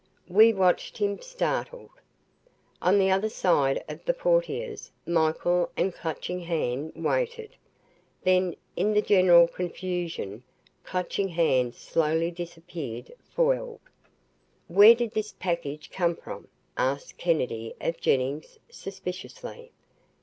We watched him, startled. On the other side of the portieres Michael and Clutching Hand waited. Then, in the general confusion, Clutching Hand slowly disappeared, foiled. "Where did this package come from?" asked Kennedy of Jennings suspiciously.